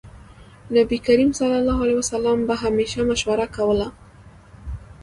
نبي کريم ص به همېش مشوره کوله.